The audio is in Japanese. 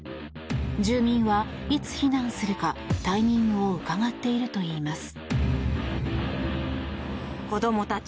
住民はいつ避難するかタイミングをうかがっているといいます。